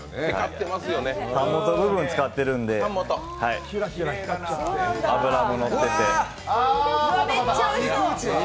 タン元の部分使っているので脂ものってて。